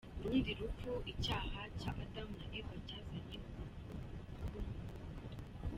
Urundi rupfu icyaha cya Adamu na Eva cyazanye, ni urupfu rwo mu Mwuka.